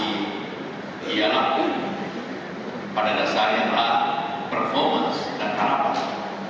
ia laku pada dasar yang terlalu performance dan terapas